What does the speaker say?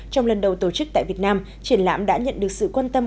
trong lần đầu tổ chức tại việt nam triển lãm đã nhận được sự quan tâm